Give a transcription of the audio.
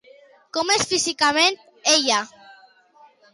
Com és físicament ella?